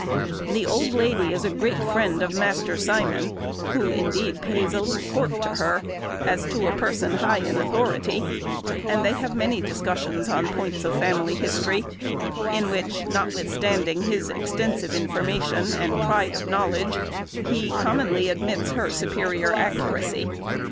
The old lady is a great friend of Master Simon, who, indeed, pays a little court to her, as to a person high in authority: and they have many discussions on points of family history, in which, notwithstanding his extensive information, and pride of knowledge, he commonly admits her superior accuracy.